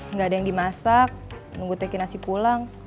nggak ada yang dimasak nunggu teki nasi pulang